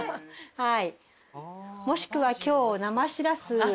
はい。